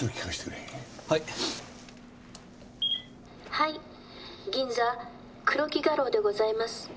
「はい銀座黒木画廊でございます」